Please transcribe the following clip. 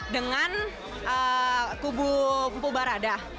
dengan kubu pempu barat